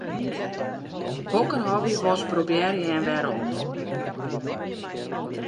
Hokker hobby wolst probearje en wêrom?